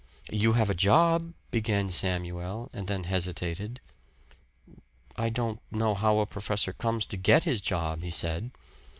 "You have a job" began Samuel and then hesitated. "I don't know how a professor comes to get his job," he said.